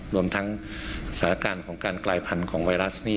รวมทั้งสถานการณ์ของการกลายพันธุ์ของไวรัสนี่